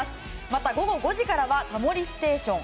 また午後５時からは「タモリステーション」。